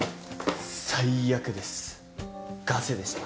最悪ですガセでした。